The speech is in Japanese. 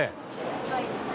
高いですね。